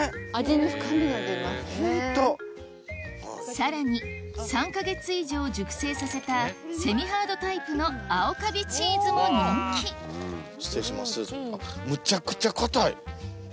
さらに３か月以上熟成させたセミハードタイプの青かびチーズも人気失礼しますあっむちゃくちゃ硬い。